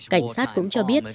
cảnh sát cũng cho biết